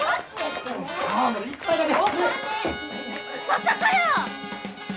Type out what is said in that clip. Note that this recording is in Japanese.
まさかやー！